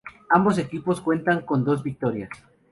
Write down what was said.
Ambos equipos cuentan con dos victorias.